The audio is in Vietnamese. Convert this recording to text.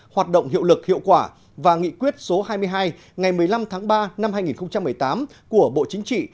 hoạt động hiệu lực hiệu quả và nghị quyết số hai mươi hai ngày một mươi năm tháng ba năm hai nghìn một mươi tám của bộ chính trị